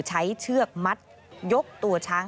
เชือกมัดยกตัวช้าง